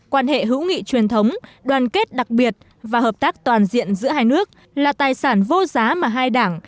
quan hệ hữu nghị truyền thống đoàn kết đặc biệt và hợp tác toàn diện giữa hai nước là tài sản vô giá mà hai đảng